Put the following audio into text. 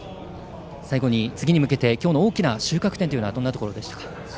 最後に、次に向けて今日の大きな収穫点はどんなところでしたか？